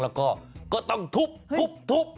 แล้วก็ก็ต้องทุบ